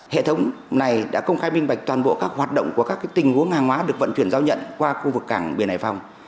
hệ thống này đã công khai minh bạch toàn bộ các hoạt động của các tình huống hàng hóa được vận chuyển giao nhận qua khu vực cảng biển hải phòng